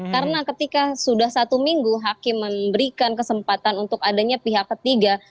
karena ketika sudah satu minggu hakim memberikan kesempatan untuk adanya pihak ketiga